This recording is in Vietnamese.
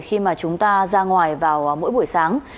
khi chúng ta ra ngoài vào mỗi buổi sáng